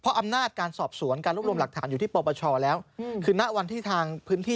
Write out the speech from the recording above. เพราะอำนาจการสอบสวนการรวบรวมหลักฐานอยู่ที่ปปชแล้วคือณวันที่ทางพื้นที่